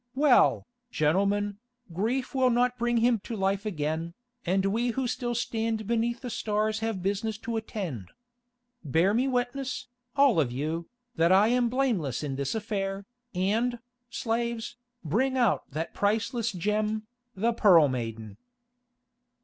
Well, gentlemen, grief will not bring him to life again, and we who still stand beneath the stars have business to attend. Bear me witness, all of you, that I am blameless in this affair, and, slaves, bring out that priceless gem, the Pearl Maiden."